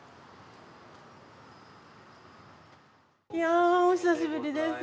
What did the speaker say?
いやあお久しぶりです